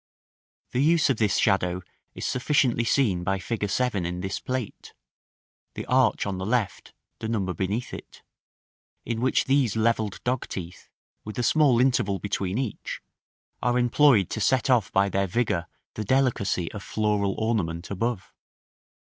The use of this shadow is sufficiently seen by fig. 7 in this plate (the arch on the left, the number beneath it), in which these levelled dogteeth, with a small interval between each, are employed to set off by their vigor the delicacy of floral ornament above.